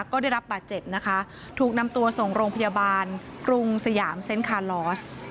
ก็ได้รับบาดเจ็บนะคะถูกนำตัวส่งโรงพยาบาลกรุงสยามเซ็นต์คาลอส